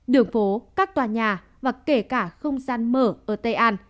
đường phố các tòa nhà và kể cả không gian mở ở tây an